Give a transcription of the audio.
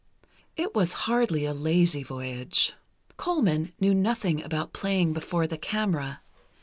It was hardly a lazy voyage. Colman knew nothing about playing before the camera.